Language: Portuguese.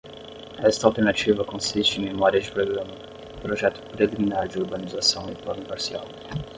Esta alternativa consiste em memória de programa, projeto preliminar de urbanização e plano parcial.